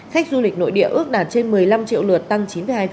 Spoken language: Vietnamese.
khách du lịch nội địa ước đạt trên một mươi năm triệu lượt tăng chín hai